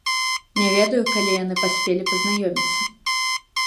Не ведаю, калі яны паспелі пазнаёміцца.